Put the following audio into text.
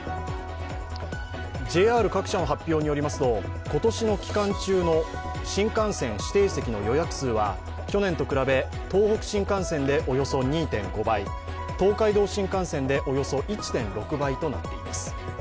ＪＲ各社の発表によりますと今年の期間中の新幹線指定席の予約数は去年と比べ東北新幹線でおよそ２．５倍、東海道新幹線でおよそ１．６倍となっています。